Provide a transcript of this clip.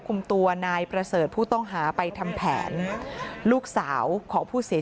คุมตัวนายประเสริฐผู้ต้องหาไปทำแผนลูกสาวของผู้เสียชีวิต